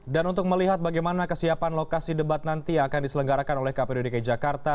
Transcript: dan untuk melihat bagaimana kesiapan lokasi debat nanti akan diselenggarakan oleh kp dki jakarta